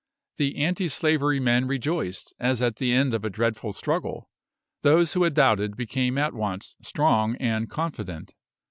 The anti slavery men rejoiced as at the end of a dreadful struggle; those who had doubted became at once strong and confident.